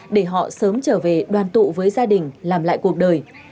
để họ sớm trở về đoàn tụ với gia đình làm lại cuộc đời